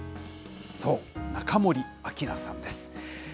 そう、中森明菜さんです。